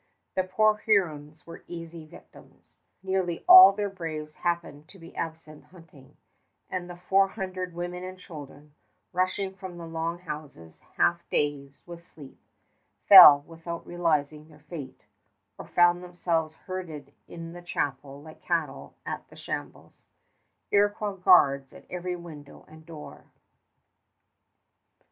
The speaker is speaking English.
The poor Hurons were easy victims. Nearly all their braves happened to be absent hunting, and the four hundred women and children, rushing from the long houses half dazed with sleep, fell without realizing their fate, or found themselves herded in the chapel like cattle at the shambles, Iroquois guards at every window and door.